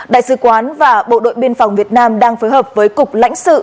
đại sứ quán và bộ đội biên phòng việt nam đang phối hợp với cục lãnh sự